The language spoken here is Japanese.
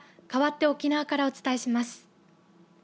かわって沖縄からお伝えします。